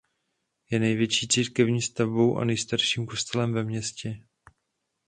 Je největší církevní stavbou a nejstarším kostelem ve městě.